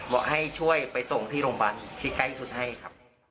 บอกให้ช่วยไปส่งที่โรงพยาบาลที่ใกล้สุดให้ครับ